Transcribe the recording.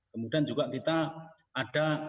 kemudian juga kita ada